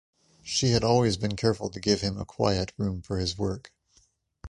She had always been careful to give him a quiet room for his work.